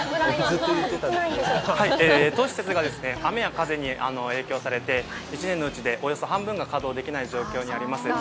どうしてかというと雨や風に影響されて１年のうちでおよそ半分が稼働できない状況にあります。